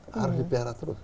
harus dipihara terus